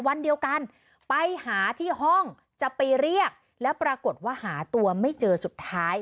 วันเดียวกันไปหาที่ห้องจะไปเรียกแล้วปรากฏว่าหาตัวไม่เจอสุดท้าย